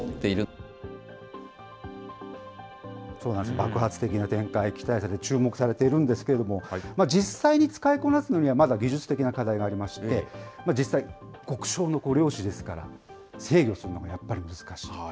爆発的な展開、期待されて、注目されているんですけれども、実際に使いこなすのにはまだ技術的な課題がありまして、実際、極小の量子ですから、制御するのがやっぱり難しい。